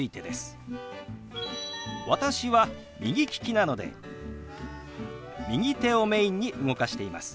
私は右利きなので右手をメインに動かしています。